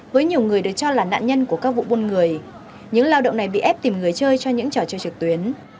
với nhiều người được cho là nạn nhân của các vụ buôn người những lao động này bị ép tìm người chơi cho những trò chơi trực tuyến